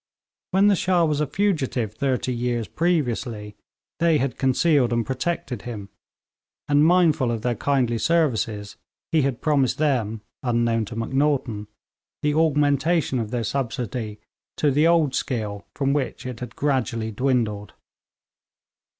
When the Shah was a fugitive thirty years previously, they had concealed and protected him; and mindful of their kindly services, he had promised them, unknown to Macnaghten, the augmentation of their subsidy to the old scale from which it had gradually dwindled.